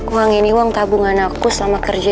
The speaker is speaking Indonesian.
uang ini uang tabungan aku selama kerja